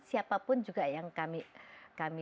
siapapun juga yang kami